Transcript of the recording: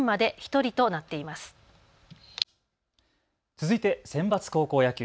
続いてセンバツ高校野球。